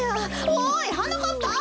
おいはなかっぱ。